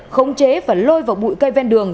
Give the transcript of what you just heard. khống chế và lôi vào bụi cây ven đường